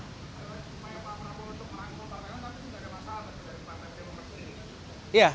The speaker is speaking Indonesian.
bukan cuma pak prabowo untuk merangkul parpol tapi juga ada masalah dari pemerintah yang mempersiapkan